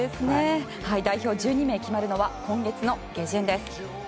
代表１２名が決まるのは今月の下旬です。